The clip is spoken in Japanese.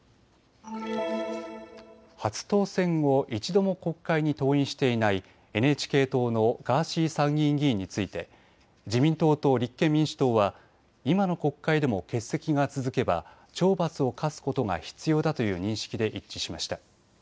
初当選後、１度も国会に登院していないＮＨＫ党のガーシー参議院議員について自民党と立憲民主党は今の国会でも欠席が続けば懲罰を科すことが必要だという認識で一致しました。